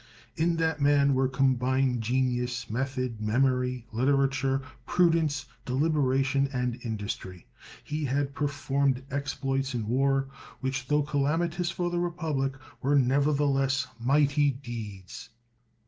In that man were combined genius, method, memory, literature, prudence, deliberation, and industry. He had performed exploits in war which, tho calamitous for the republic, were nevertheless mighty deeds.